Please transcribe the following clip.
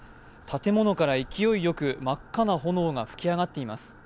建物から勢いよく真っ赤な炎が噴き上がっています。